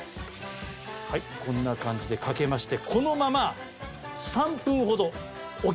こんな感じでかけまして。